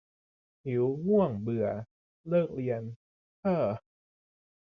หิว ง่วง เบื่อ เลิกเรียนเห้อ